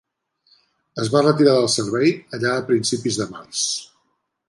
Es va retirar del servei allà a principis de març.